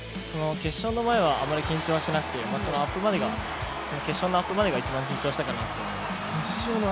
決勝の前はあまり緊張しなくて決勝のアップまでが一番緊張したかと思います。